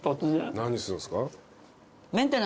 何するんすか？